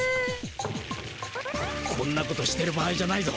こんなことしてる場合じゃないぞ。